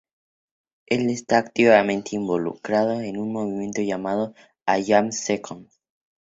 Él está activamente involucrado en un movimiento llamado "I Am Second".